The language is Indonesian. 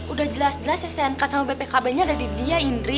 udah jelas jelas ya stay angkat sama bpkb nya dari dia indri